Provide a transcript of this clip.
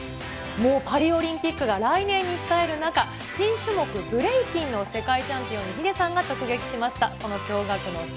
もうパリオリンピックが来年に控える中、新種目、ブレイキンの世界チャンピオンにヒデさんが直撃しました。